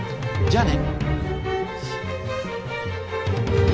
じゃあね。